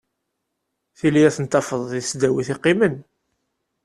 Tili ad ten-tafeḍ deg tesdawit i qqimen.